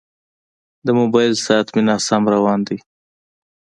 د موبایل ساعت مې ناسم روان دی.